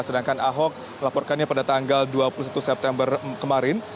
sedangkan ahok melaporkannya pada tanggal dua puluh satu september kemarin